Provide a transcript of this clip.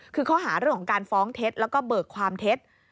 คือข้อหาเรื่องของการฟ้องเท็จแล้วก็เบิกความเท็จ